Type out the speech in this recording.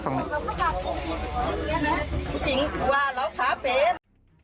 จริงกว่าเราขาเฟ้ม